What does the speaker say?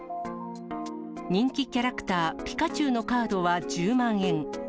人気キャラクター、ピカチュウのカードは１０万円。